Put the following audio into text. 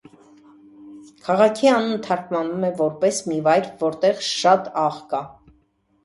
Քաղաքի անունը թարգմանվում է որպես «մի վայր, որտեղ շատ աղ կա»։